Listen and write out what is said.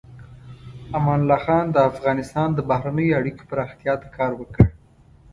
امان الله خان د افغانستان د بهرنیو اړیکو پراختیا ته کار وکړ.